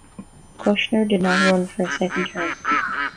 Kushner did not run for a second term.